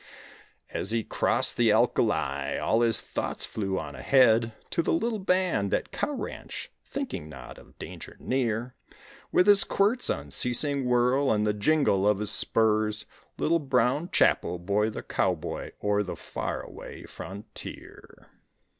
As he crossed the alkali All his thoughts flew on ahead To the little band at cow ranch thinking not of danger near; With his quirt's unceasing whirl And the jingle of his spurs Little brown Chapo bore the cowboy o'er the far away frontier.